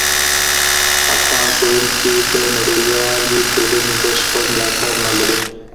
افغان ښوونکي د نړیوالي ټولني بشپړ ملاتړ نه لري.